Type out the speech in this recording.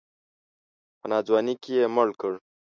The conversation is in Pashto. په ناځواني کې یې مړ کړ.